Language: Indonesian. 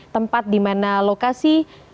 tempat dimana lokasi